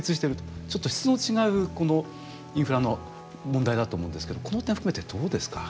ちょっと質の違うインフラの問題だと思うんですけどこの点含めてどうですか？